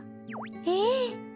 ええ。